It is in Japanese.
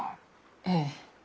ええ。